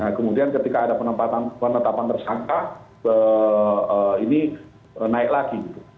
nah kemudian ketika ada penetapan tersangka ini naik lagi